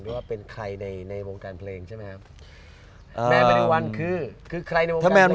หรือว่าเป็นใครในวงการเพลงใช่ไหมครับ